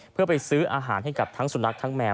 เพื่อไปซื้ออาหารให้กับทั้งสุนัขทั้งแมว